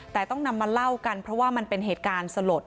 แต่ต้องนำมาเล่ากันเพราะว่ามันเป็นเหตุการณ์สลด